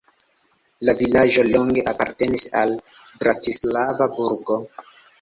La vilaĝo longe apartenis al Bratislava burgo.